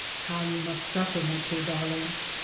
How you must suffer, my poor darling !